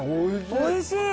おいしい！